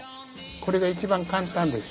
これが一番簡単です。